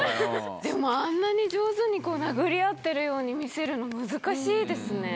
でもあんなに上手にこう殴り合ってるように見せるの難しいですね。